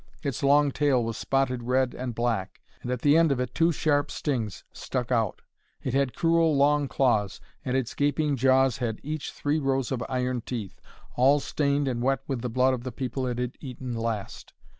Its long tail was spotted red and black, and at the end of it two sharp stings stuck out. It had cruel long claws, and its gaping jaws had each three rows of iron teeth, all stained and wet with the blood of the people it had eaten last.